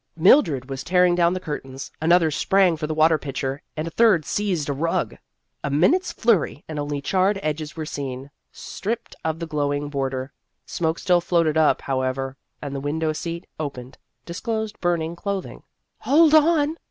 Mildred was tearing down the curtains, another sprang for the water pitcher, and a third seized a rug. A minute's flurry, 1 62 Vassar Studies and only charred edges were seen, stripped of the glowing border. Smoke still floated up, however, and the window seat, opened, disclosed burning clothing. " Hold on